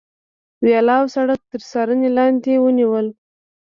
ویاله او سړک تر څارنې لاندې ونیول.